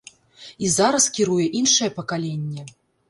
І зараз кіруе іншае пакаленне.